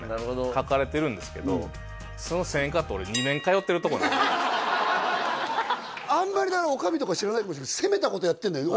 書かれてるんですけどあんまりだから女将とか知らないかもしれないけど攻めたことやってるんだよね